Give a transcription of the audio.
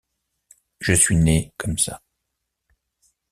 Je suis née comme ça.